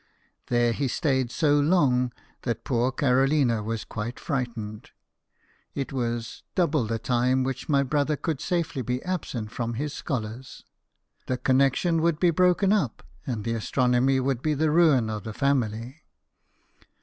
There he stayed so long that poor Carolina was quite frightened. It was " double the time which my brother could safely be absent from his scholars." The connection would be broken up, and the as tronomy would be the ruin of the family.